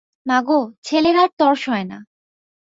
মাগো, ছেলের আর তর সয় না।